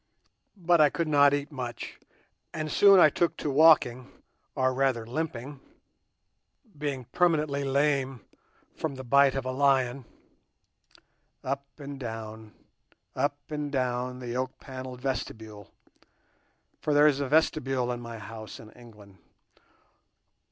But I could not eat much, and soon I took to walking, or rather limping—being permanently lame from the bite of a lion—up and down, up and down the oak panelled vestibule; for there is a vestibule in my house in England.